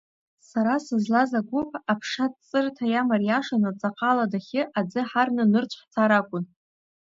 Сара сызлаз агәыԥ Аԥшаҵҵырҭа иамариашаны, ҵаҟа, аладахьы аӡы ҳарны нырцә ҳцар акәын.